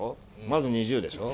まず２０でしょ。